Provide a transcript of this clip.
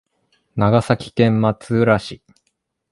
長崎県松浦市